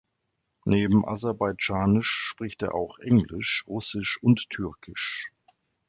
Neben aserbaidschanisch spricht er auch englisch, russisch und türkisch.